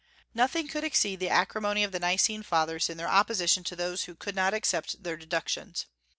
Nothing could exceed the acrimony of the Nicene Fathers in their opposition to those who could not accept their deductions.